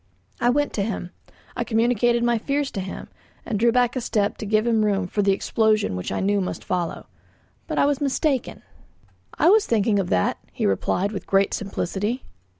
I went to him. I communicated my fears to him, and drew back a step to give him room for the explosion which I knew must follow. But I was mistaken. "I was thinking of that," he replied with great simplicity.